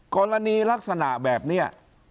กรณีลักษณะแบบนี้